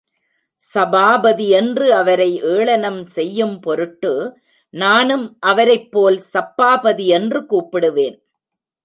சபாபதி என்று, அவரை ஏளனம் செய்யும் பொருட்டு, நானும் அவரைப்போல் சப்பாபதி என்று கூப்பிடுவேன்.